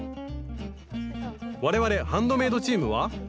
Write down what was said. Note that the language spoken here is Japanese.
我々ハンドメイドチームは？